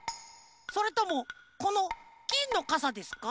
それともこのきんのかさですか？